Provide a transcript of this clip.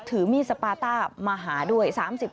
ถือมีดสปาต้ามาหาด้วย๓๐